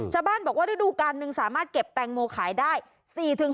ชาวบ้านบอกว่าฤดูการหนึ่งสามารถเก็บแตงโมขายได้